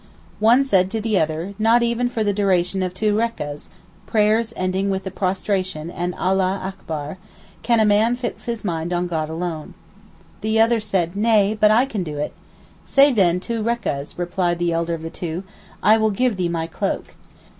One said to the other, "Not even for the duration of two rekahs (prayers ending with the prostration and Allah akbar) can a man fix his mind on God alone." The other said, "Nay, but I can do it!" "Say then two rekahs," replied the elder of the two; "I will give thee my cloak."